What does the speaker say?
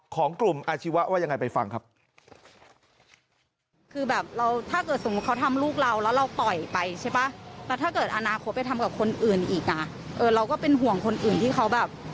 ของกลุ่มอาชีวะว่ายังไงไปฟังครับ